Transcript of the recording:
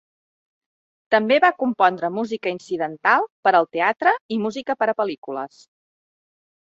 També va compondre música incidental per al teatre i música per a pel·lícules.